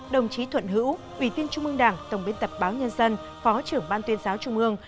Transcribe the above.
đồng chí thuận hữu ủy viên trung ương đảng tổng biên tập báo nhân dân phó trưởng ban tuyên giáo trung ương